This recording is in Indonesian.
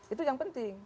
itu yang penting